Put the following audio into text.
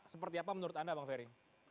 seperti apa menurut anda bang ferry